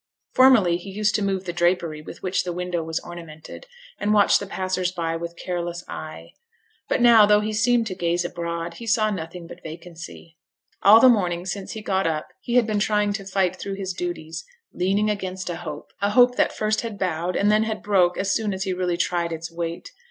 Formerly he used to move the drapery with which the window was ornamented, and watch the passers by with careless eye. But now, though he seemed to gaze abroad, he saw nothing but vacancy. All the morning since he got up he had been trying to fight through his duties leaning against a hope a hope that first had bowed, and then had broke as soon as he really tried its weight.